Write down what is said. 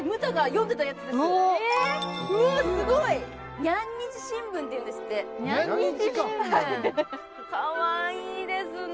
うわっすごい猫日新聞っていうんですって猫日新聞かわいいですね